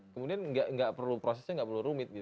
kemudian prosesnya nggak perlu rumit